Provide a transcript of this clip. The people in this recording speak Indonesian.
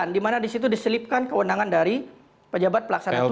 dimana disitu diselipkan kewenangan dari pejabat pelaksanaan